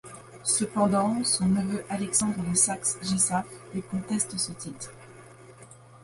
Cependant, son neveu Alexandre de Saxe-Gessaphe lui conteste ce titre.